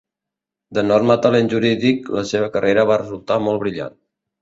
D'enorme talent jurídic, la seva carrera va resultar molt brillant.